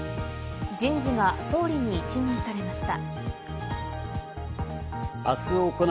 人事が総理に一任されました。